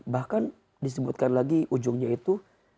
bahkan disebutkan lagi ujungnya itu